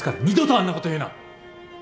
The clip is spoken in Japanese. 二度とあんなこと言うな。